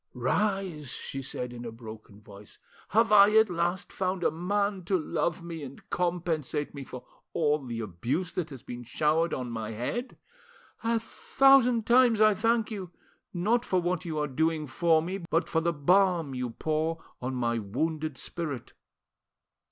"Rise," she said in a broken voice. "Have I at last found a man to love me and compensate me for all the abuse that has been showered on my head? A thousand times I thank you, not for what you are doing for me, but for the balm you pour on my wounded spirit.